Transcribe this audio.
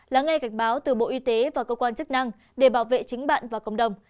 lắng nghe gạch báo từ bộ y tế và cơ quan chức năng để bảo vệ chính bạn và cộng đồng